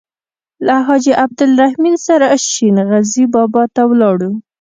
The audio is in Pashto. له حاجي عبدالرحیم سره شین غزي بابا ته ولاړو.